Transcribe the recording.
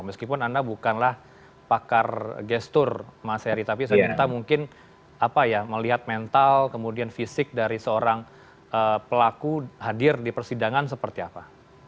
meskipun anda bukanlah pakar gestur mas heri tapi saya minta mungkin melihat mental kemudian fisik dari seorang pelaku hadir di persidangan seperti apa